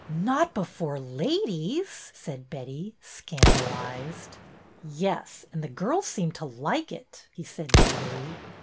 Not before ladies !" said Betty, scandalized. Yes, and the girls seem to like it," he said moodily.